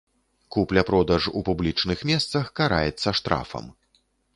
Купля-продаж у публічных месцах караецца штрафам.